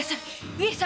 上様！